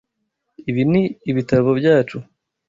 Ibi ni ibitabo byacu.